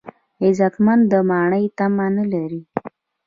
غیرتمند د ماڼۍ تمه نه لري